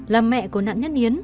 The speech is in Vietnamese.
là mẹ của nạn nhân yến